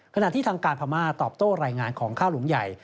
ขณะที่ทางการพม่าตอบโต้รายงานของข้าวหลุมใหญ่